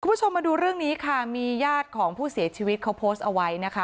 คุณผู้ชมมาดูเรื่องนี้ค่ะมีญาติของผู้เสียชีวิตเขาโพสต์เอาไว้นะคะ